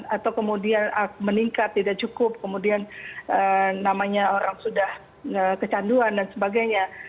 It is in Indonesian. atau kemudian meningkat tidak cukup kemudian namanya orang sudah kecanduan dan sebagainya